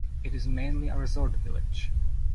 It is mainly a resort village.